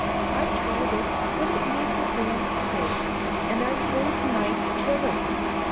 "I tried it, but it needs a damp place, and our cold nights kill it.